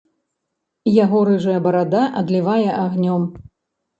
Яго рыжая барада адлівае агнём.